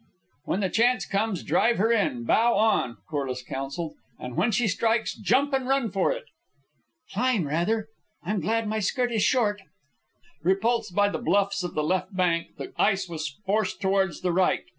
"When the chance comes, drive her in, bow on," Corliss counselled; "and when she strikes, jump and run for it." "Climb, rather. I'm glad my skirt is short." Repulsed by the bluffs of the left bank, the ice was forced towards the right.